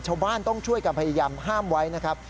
ชาวบ้านต้องช่วยกันพยายามห้ามไว้นะครับ